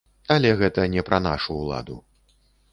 Але гэта не пра нашу ўладу.